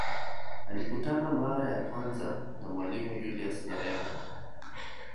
Alikutana mara ya kwanza na Mwalimu Julius Nyerere